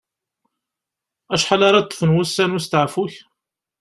Acḥal ara ṭṭfen wussan n usteɛfu-k?